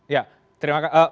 ya terima kasih